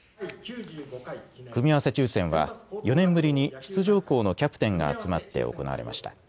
組み合わせ抽せんは４年ぶりに出場校のキャプテンが集まって行われました。